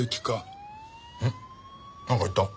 なんか言った？